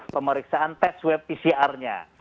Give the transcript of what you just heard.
pemeriksaan tes swab pcr nya